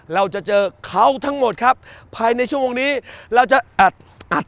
เราจะเจอเขาทั้งหมดครับภายในชั่วโมงนี้เราจะอัดอัด